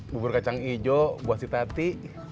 bubur kacang ijo buat si tati